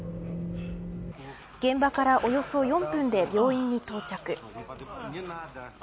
現場からおよそ４分で病院に到着。